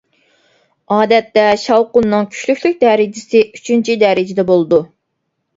ئادەتتە شاۋقۇننىڭ كۈچلۈكلۈك دەرىجىسى ئۈچىنچى دەرىجىدە بولىدۇ.